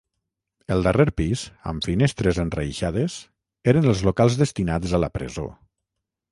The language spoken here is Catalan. El darrer pis, amb finestres enreixades, eren els locals destinats a la presó.